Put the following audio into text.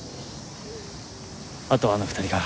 あとはあの２人か。